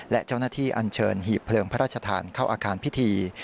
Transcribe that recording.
และเจ้าหน้าที่อันเชิญหีบเลิงพระราชทานเข้าอาคารพิธี